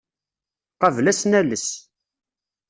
Qabel ad as-nales.